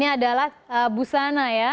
ini adalah busana ya